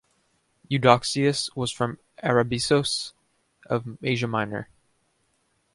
Eudoxius was from Arabissos of Asia Minor.